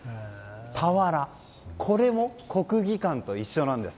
俵、これも国技館と一緒なんです。